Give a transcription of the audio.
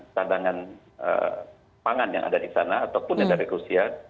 tandangan pangan yang ada disana ataupun yang dari rusia